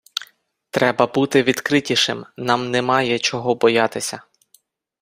Треба бути відкритішим, нам немає чого боятися.